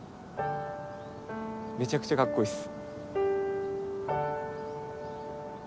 めちゃくちゃカッコいいっす。